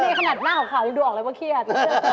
นี่ขนาดหน้าขาวยังดูออกเลยว่าเครียด